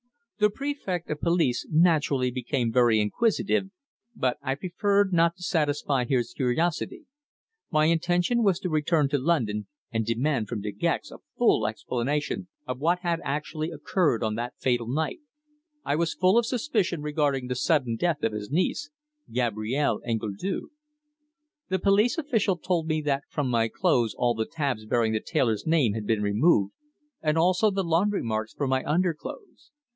The Prefect of Police naturally became very inquisitive, but I preferred not to satisfy his curiosity. My intention was to return to London and demand from De Gex a full explanation of what had actually occurred on that fatal night. I was full of suspicion regarding the sudden death of his niece, Gabrielle Engledue. The police official told me that from my clothes all the tabs bearing the tailor's name had been removed, and also the laundry marks from my underclothes.